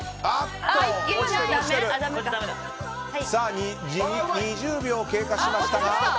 ２０秒経過しましたが。